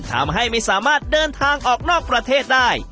ทำให้ไม่สามารถเดินทางออกนอกประเทศได้